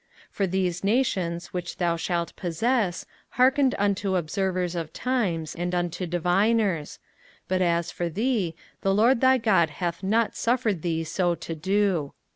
05:018:014 For these nations, which thou shalt possess, hearkened unto observers of times, and unto diviners: but as for thee, the LORD thy God hath not suffered thee so to do.